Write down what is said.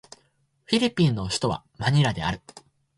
フィリピンの首都はマニラである